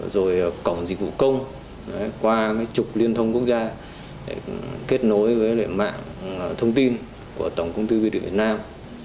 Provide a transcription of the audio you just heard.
rồi cổng dịch vụ công qua trục liên thông quốc gia kết nối với mạng thông tin của tổng công ty việt nam